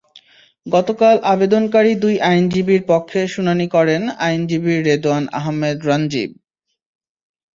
গতকাল আবেদনকারী দুই আইনজীবীর পক্ষে শুনানি করেন আইনজীবী রেদোয়ান আহমেদ রানজিব।